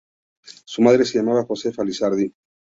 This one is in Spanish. Su madre se llamaba Josefa Lizardi.